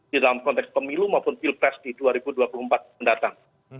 di dalam konteks pemilu maupun pilpres di dua ribu dua puluh empat mendatang